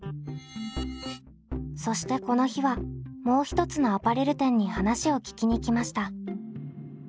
そしてこの日はもう一つのアパレル店に話を聞きに来ました。